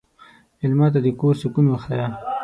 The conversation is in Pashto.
مېلمه ته د کور سکون وښیه.